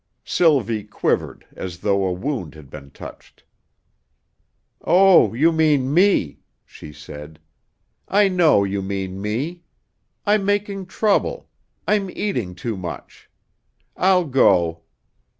Sylvie quivered as though a wound had been touched. "Oh, you mean me," she said, "I know you mean me. I'm making trouble. I'm eating too much. I'll go.